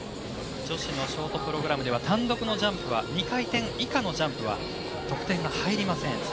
女子のショートプログラムでは単独のジャンプは２回転以下のジャンプは得点が入りません。